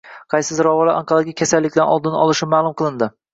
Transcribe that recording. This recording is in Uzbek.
Qaysi ziravorlar onkologik kasalliklarning oldini olishi ma’lum qilindi